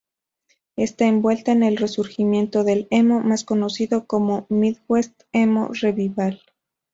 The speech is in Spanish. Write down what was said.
Está envuelta en el resurgimiento del emo, más conocido como "Midwest Emo Revival".